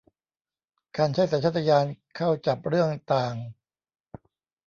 การใช้สัญชาตญาณเข้าจับเรื่องต่าง